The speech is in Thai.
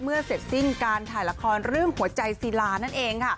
เสร็จสิ้นการถ่ายละครเรื่องหัวใจศิลานั่นเองค่ะ